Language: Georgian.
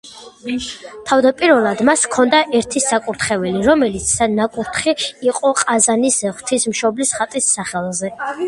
თავდაპირველად მას ჰქონდა ერთი საკურთხეველი, რომელიც ნაკურთხი იყო ყაზანის ღვთისმშობლის ხატის სახელზე.